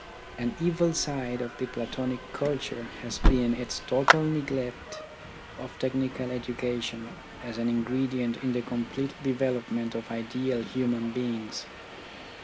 An evil side of the Platonic culture has been its total neglect of technical education as an ingredient in the complete development of ideal human beings.